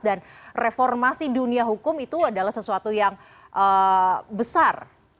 dan reformasi dunia hukum itu adalah sesuatu yang besar